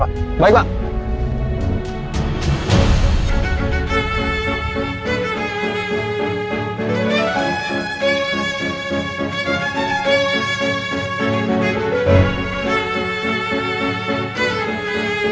jangan lupa like share dan subscribe ya